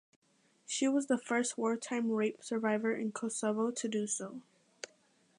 She was the first wartime rape survivor in Kosovo to do so.